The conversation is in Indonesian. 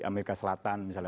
amerika selatan misalnya